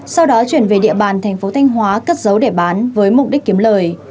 sau đó chuyển về địa bàn tp thanh hóa cất dấu để bán với mục đích kiếm lời